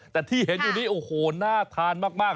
แต่ที่เห็นอยู่นี้โอ้โหน่าทานมาก